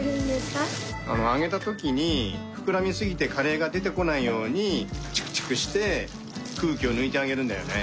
あげたときにふくらみすぎてカレーがでてこないようにチクチクしてくうきをぬいてあげるんだよね。